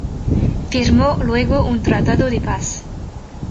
Firmó luego un tratado de paz.